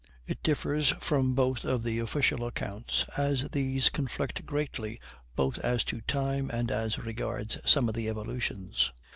It differs from both of the official accounts, as these conflict greatly both as to time and as regards some of the evolutions.